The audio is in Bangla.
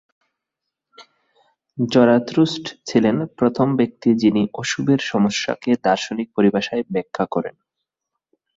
জরাথুস্ট্র ছিলেন প্রথম ব্যক্তি যিনি অশুভের সমস্যাকে দার্শনিক পরিভাষায় ব্যাখ্যা করেন।